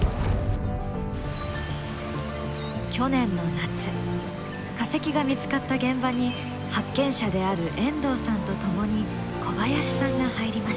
去年の夏化石が見つかった現場に発見者である遠藤さんと共に小林さんが入りました。